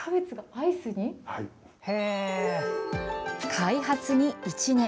開発に１年。